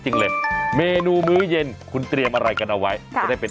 ใช้เมียได้ตลอด